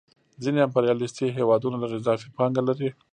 ځینې امپریالیستي هېوادونه لږ اضافي پانګه لري